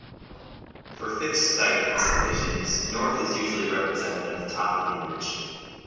For fixed-site installations, north is usually represented at the top of the image.